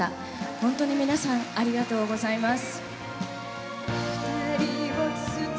本当に皆さん、ありがとうございます。